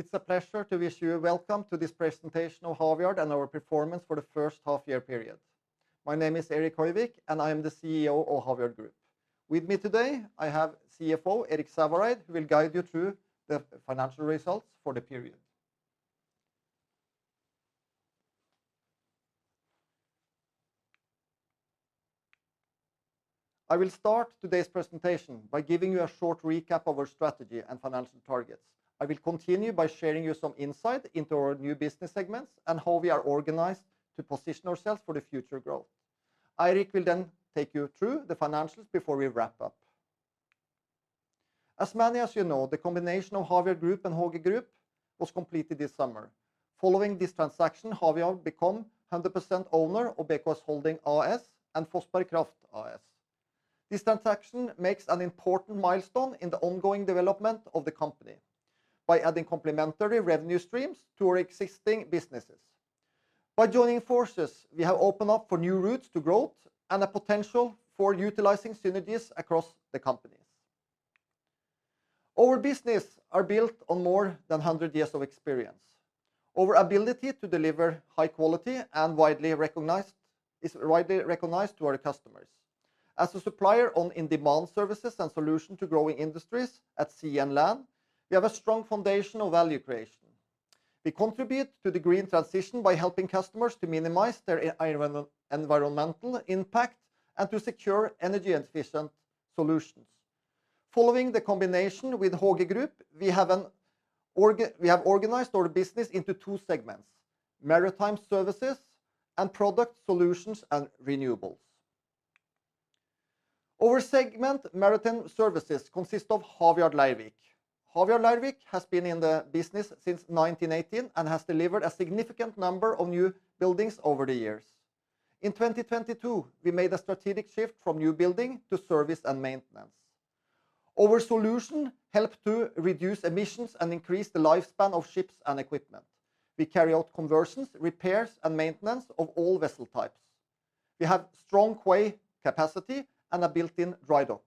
It's a pleasure to welcome you to this presentation of Havyard and our performance for the first half year period. My name is Erik Høyvik, and I am the CEO of Havyard Group. With me today, I have CFO, Eirik Saevareid, who will guide you through the financial results for the period. I will start today's presentation by giving you a short recap of our strategy and financial targets. I will continue by sharing with you some insight into our new business segments and how we are organized to position ourselves for the future growth. Eirik will then take you through the financials before we wrap up. As many of you know, the combination of Havyard Group and HG Group was completed this summer. Following this transaction, Havyard became 100% owner of BKS Holding AS and Fossberg Kraft AS. This transaction makes an important milestone in the ongoing development of the company by adding complementary revenue streams to our existing businesses. By joining forces, we have opened up for new routes to growth and a potential for utilizing synergies across the companies. Our businesses are built on more than 100 years of experience. Our ability to deliver high quality and is widely recognized to our customers. As a supplier of in-demand services and solutions to growing industries at sea and land, we have a strong foundation of value creation. We contribute to the green transition by helping customers to minimize their environmental impact and to secure energy-efficient solutions. Following the combination with HG Group, we have organized our business into two segments, Maritime Services and Products, Solutions & Renewables. Our segment, Maritime Services, consists of Havyard Leirvik. Havyard Leirvik has been in the business since 1918 and has delivered a significant number of new buildings over the years. In 2022, we made a strategic shift from new building to service and maintenance. Our solution help to reduce emissions and increase the lifespan of ships and equipment. We carry out conversions, repairs, and maintenance of all vessel types. We have strong quay capacity and a built-in dry dock.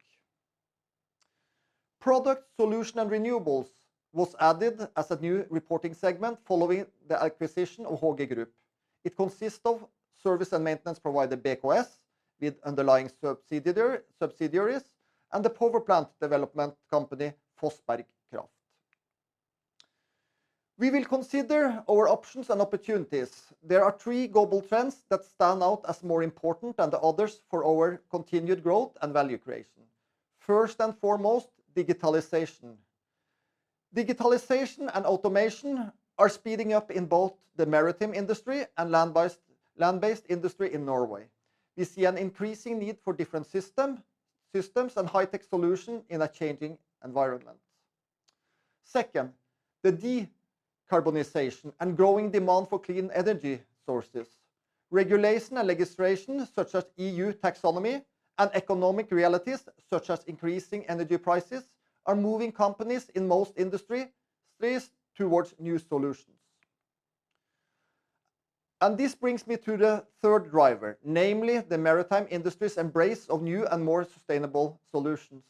Products, Solutions & Renewables was added as a new reporting segment following the acquisition of HG Group. It consists of service and maintenance provider BKS with underlying subsidiaries and the power plant development company, Fossberg Kraft. We will consider our options and opportunities. There are three global trends that stand out as more important than the others for our continued growth and value creation. First and foremost, digitalization. Digitalization and automation are speeding up in both the maritime industry and land-based industry in Norway. We see an increasing need for different systems and high-tech solution in a changing environment. Second, the decarbonization and growing demand for clean energy sources. Regulation and legislation such as EU Taxonomy and economic realities such as increasing energy prices are moving companies in most industry space towards new solutions. This brings me to the third driver, namely the maritime industry's embrace of new and more sustainable solutions.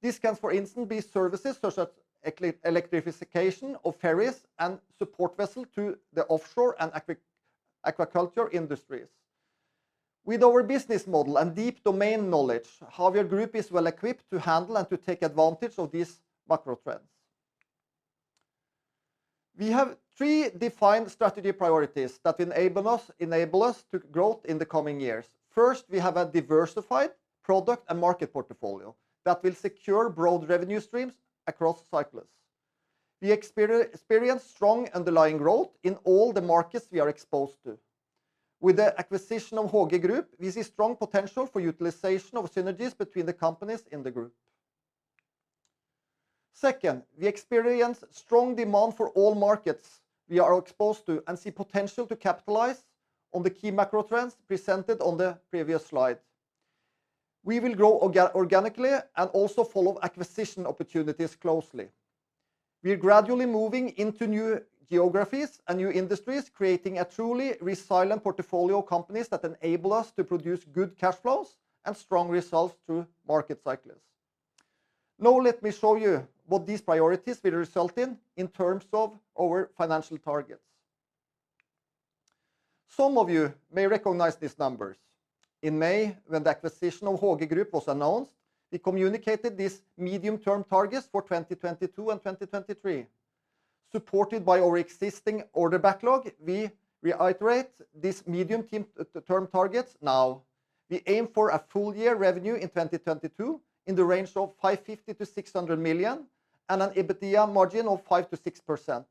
This can for instance be services such as electrification of ferries and support vessel to the offshore and aquaculture industries. With our business model and deep domain knowledge, Havyard Group is well equipped to handle and to take advantage of these macro trends. We have three defined strategy priorities that enable us to grow in the coming years. First, we have a diversified product and market portfolio that will secure broad revenue streams across cycles. We experience strong underlying growth in all the markets we are exposed to. With the acquisition of HG Group, we see strong potential for utilization of synergies between the companies in the group. Second, we experience strong demand for all markets we are exposed to and see potential to capitalize on the key macro trends presented on the previous slide. We will grow organically and also follow acquisition opportunities closely. We are gradually moving into new geographies and new industries, creating a truly resilient portfolio of companies that enable us to produce good cash flows and strong results through market cycles. Now let me show you what these priorities will result in terms of our financial targets. Some of you may recognize these numbers. In May, when the acquisition of HG Group was announced, we communicated these medium-term targets for 2022 and 2023. Supported by our existing order backlog, we reiterate these medium-term targets now. We aim for a full year revenue in 2022 in the range of 550-600 million and an EBITDA margin of 5%-6%.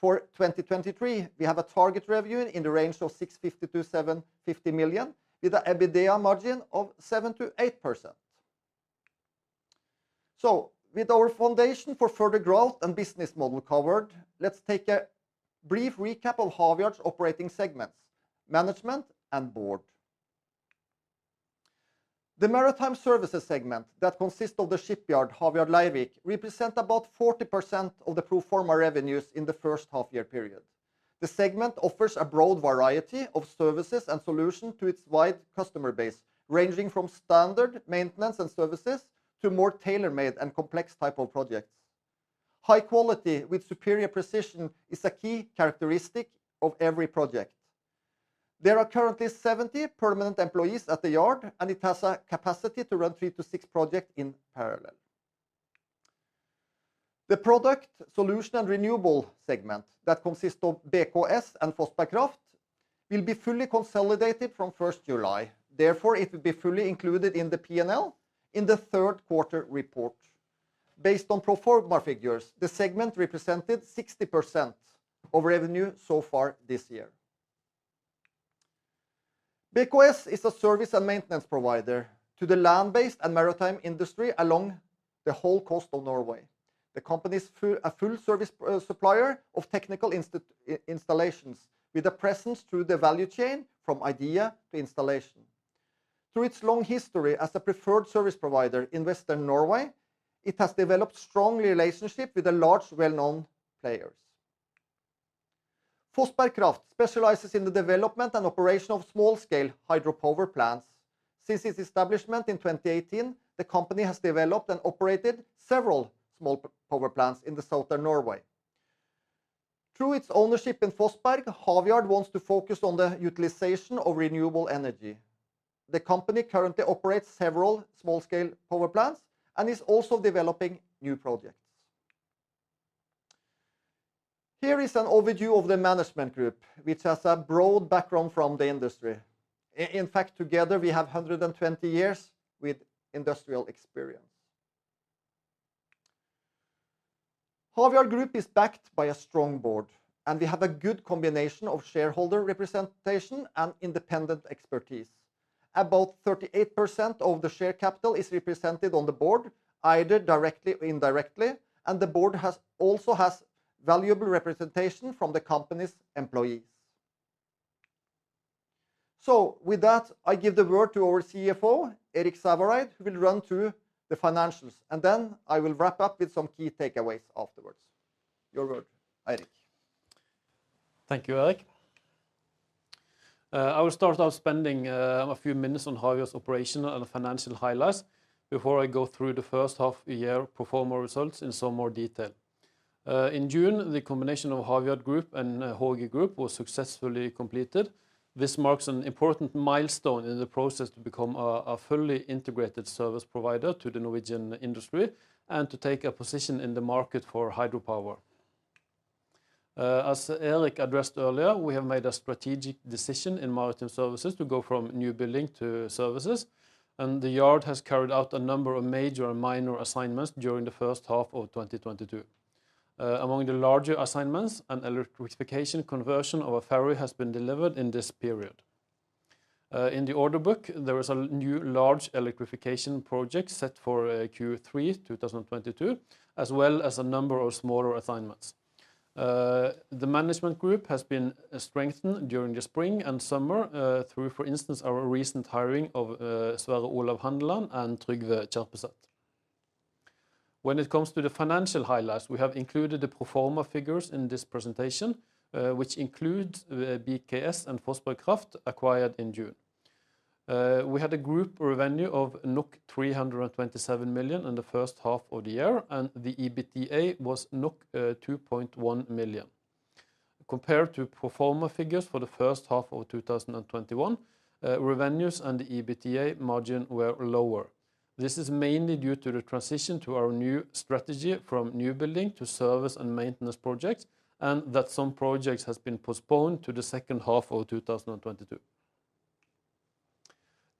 For 2023, we have a target revenue in the range of 650-750 million, with an EBITDA margin of 7%-8%. With our foundation for further growth and business model covered, let's take a brief recap of Havyard's operating segments, management and board. The Maritime Services segment that consists of the shipyard, Havyard Leirvik, represents about 40% of the pro forma revenues in the first half year period. The segment offers a broad variety of services and solutions to its wide customer base, ranging from standard maintenance and services to more tailor-made and complex type of projects. High quality with superior precision is a key characteristic of every project. There are currently 70 permanent employees at the yard, and it has a capacity to run 3-6 projects in parallel. The Products, Solutions & Renewables segment that consists of BKS and Fossberg Kraft will be fully consolidated from July 1st, therefore, it will be fully included in the P&L in the third quarter report. Based on pro forma figures, the segment represented 60% of revenue so far this year. BKS is a service and maintenance provider to the land-based and maritime industry along the whole coast of Norway. The company is full service supplier of technical installations, with a presence through the value chain from idea to installation. Through its long history as a preferred service provider in Western Norway, it has developed strong relationship with the large, well-known players. Fossberg Kraft specializes in the development and operation of small-scale hydropower plants. Since its establishment in 2018, the company has developed and operated several small power plants in the southern Norway. Through its ownership in Fossberg, Havyard wants to focus on the utilization of renewable energy. The company currently operates several small-scale power plants and is also developing new projects. Here is an overview of the management group, which has a broad background from the industry. In fact, together, we have 120 years with industrial experience. Havyard Group is backed by a strong board, and we have a good combination of shareholder representation and independent expertise. About 38% of the share capital is represented on the board, either directly or indirectly, and the board also has valuable representation from the company's employees. With that, I give the word to our CFO, Eirik Saevareid, who will run through the financials, and then I will wrap up with some key takeaways afterwards. Your word, Eirik. Thank you, Erik. I will start out spending a few minutes on Havyard's operational and financial highlights before I go through the first half year pro forma results in some more detail. In June, the combination of Havyard Group and HG Group was successfully completed. This marks an important milestone in the process to become a fully integrated service provider to the Norwegian industry and to take a position in the market for hydropower. As Erik addressed earlier, we have made a strategic decision in Maritime Services to go from new building to services, and the yard has carried out a number of major and minor assignments during the first half of 2022. Among the larger assignments, an electrification conversion of a ferry has been delivered in this period. In the order book, there is a new large electrification project set for Q3 2022 as well as a number of smaller assignments. The management group has been strengthened during the spring and summer through, for instance, our recent hiring of Sverre Olav Handeland and Trygve Kjerpeseth. When it comes to the financial highlights, we have included the pro forma figures in this presentation, which include BKS and Fossberg Kraft acquired in June. We had a group revenue of 327 million in the first half of the year, and the EBITDA was 2.1 million. Compared to pro forma figures for the first half of 2021, revenues and the EBITDA margin were lower. This is mainly due to the transition to our new strategy from new building to service and maintenance projects and that some projects has been postponed to the second half of 2022.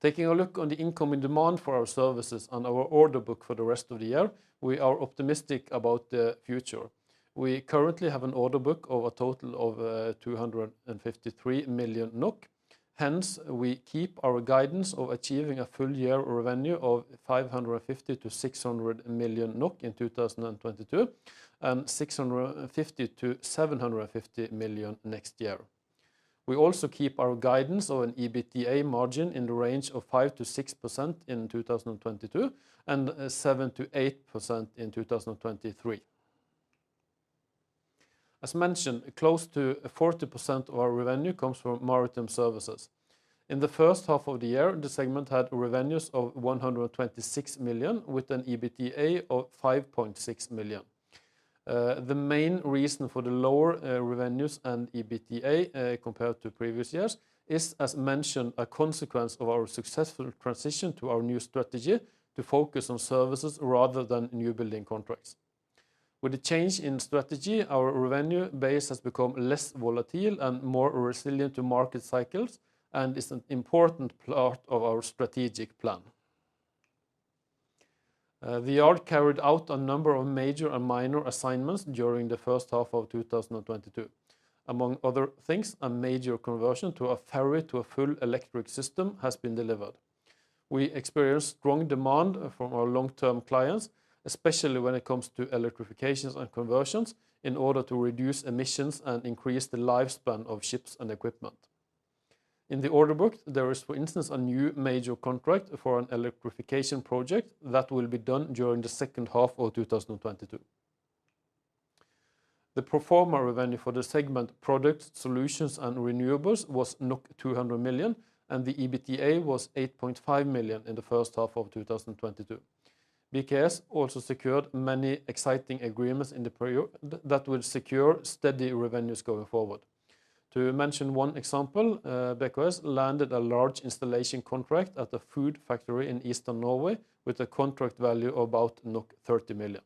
Taking a look on the incoming demand for our services and our order book for the rest of the year, we are optimistic about the future. We currently have an order book of a total of 253 million NOK. Hence, we keep our guidance of achieving a full-year revenue of 550-600 million NOK in 2022 and 650-750 million next year. We also keep our guidance of an EBITDA margin in the range of 5%-6% in 2022 and 7%-8% in 2023. As mentioned, close to 40% of our revenue comes from Maritime Services. In the first half of the year, the segment had revenues of 126 million with an EBITDA of 5.6 million. The main reason for the lower revenues and EBITDA compared to previous years is, as mentioned, a consequence of our successful transition to our new strategy to focus on services rather than new building contracts. With the change in strategy, our revenue base has become less volatile and more resilient to market cycles and is an important part of our strategic plan. The yard carried out a number of major and minor assignments during the first half of 2022. Among other things, a major conversion to a ferry to a full electric system has been delivered. We experienced strong demand from our long-term clients, especially when it comes to electrifications and conversions in order to reduce emissions and increase the lifespan of ships and equipment. In the order book, there is, for instance, a new major contract for an electrification project that will be done during the second half of 2022. The pro forma revenue for the segment Products, Solutions & Renewables was 200 million, and the EBITDA was 8.5 million in the first half of 2022. BKS also secured many exciting agreements in the period that will secure steady revenues going forward. To mention one example, BKS landed a large installation contract at a food factory in Eastern Norway with a contract value of about 30 million.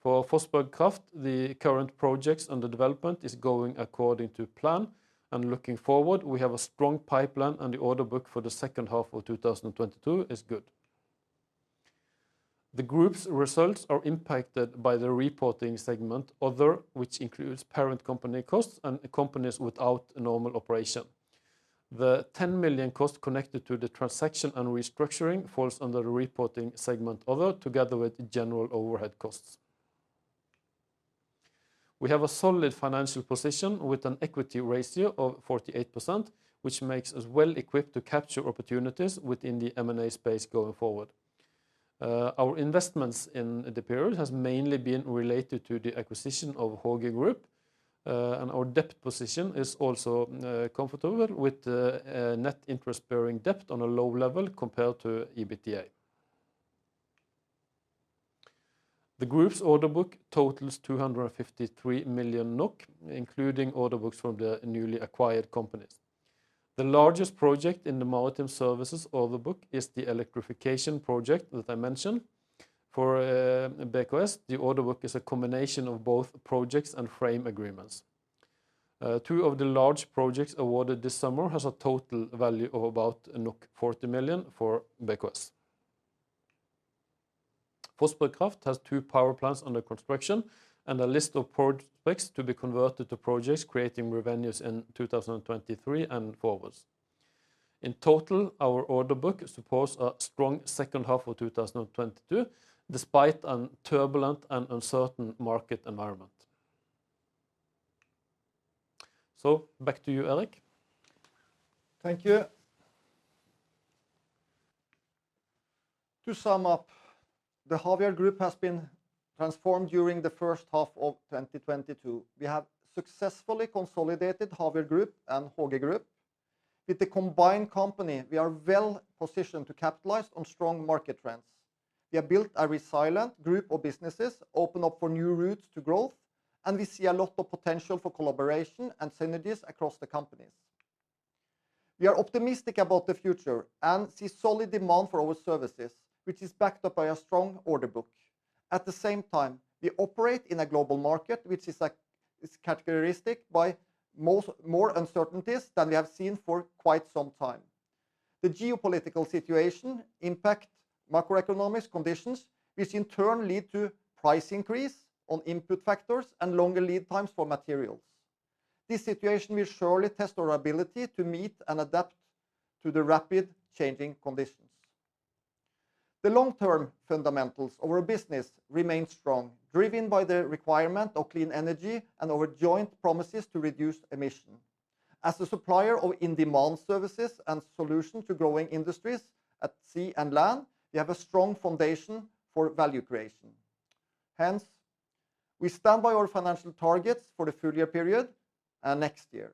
For Fossberg Kraft, the current projects under development is going according to plan. Looking forward, we have a strong pipeline, and the order book for the second half of 2022 is good. The group's results are impacted by the reporting segment Other, which includes parent company costs and companies without a normal operation. The 10 million costs connected to the transaction and restructuring falls under the reporting segment Other together with general overhead costs. We have a solid financial position with an equity ratio of 48%, which makes us well-equipped to capture opportunities within the M&A space going forward. Our investments in the period has mainly been related to the acquisition of HG Group. Our debt position is also comfortable with a net interest-bearing debt on a low level compared to EBITDA. The group's order book totals 253 million NOK, including order books from the newly acquired companies. The largest project in the Maritime Services order book is the electrification project that I mentioned. For BKS, the order book is a combination of both projects and frame agreements. Two of the large projects awarded this summer has a total value of about 40 million for BKS. Fossberg Kraft has two power plants under construction and a list of projects to be converted to projects creating revenues in 2023 and forward. In total, our order book supports a strong second half of 2022, despite a turbulent and uncertain market environment. Back to you, Erik. Thank you. To sum up, the Havyard Group has been transformed during the first half of 2022. We have successfully consolidated Havyard Group and HG Group. With the combined company, we are well-positioned to capitalize on strong market trends. We have built a resilient group of businesses, open up for new routes to growth, and we see a lot of potential for collaboration and synergies across the companies. We are optimistic about the future and see solid demand for our services, which is backed up by a strong order book. At the same time, we operate in a global market, which is characterized by more uncertainties than we have seen for quite some time. The geopolitical situation impacts macroeconomic conditions, which in turn leads to price increases on input factors and longer lead times for materials. This situation will surely test our ability to meet and adapt to the rapid changing conditions. The long-term fundamentals of our business remain strong, driven by the requirement of clean energy and our joint promises to reduce emission. As a supplier of in-demand services and solution to growing industries at sea and land, we have a strong foundation for value creation. Hence, we stand by our financial targets for the full year period and next year.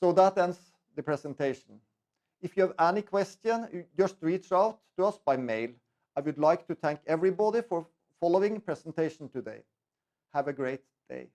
That ends the presentation. If you have any question, just reach out to us by mail. I would like to thank everybody for following presentation today. Have a great day.